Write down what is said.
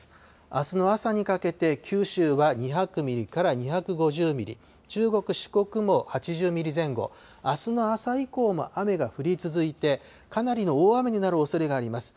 あすの朝にかけて、九州は２００ミリから２５０ミリ、中国、四国も８０ミリ前後、あすの朝以降も雨が降り続いて、かなりの大雨になるおそれがあります。